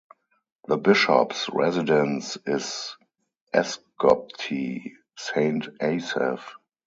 The Bishop's residence is Esgobty, Saint Asaph.